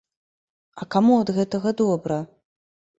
А каму ад гэтага добра?